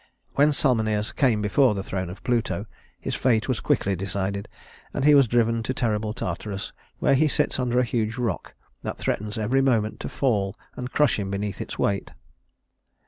When Salmoneus came before the throne of Pluto, his fate was quickly decided, and he was driven to terrible Tartarus, where he sits under a huge rock that threatens every moment to fall and crush him beneath its weight.